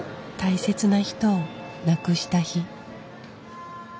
大切な人を亡くした日。